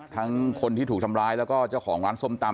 ทั้งคนที่ถูกทำร้ายแล้วก็เจ้าของร้านส้มตำ